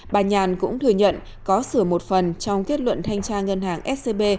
bà nhàn cũng thừa nhận có sửa một phần trong kết luận thanh tra ngân hàng scb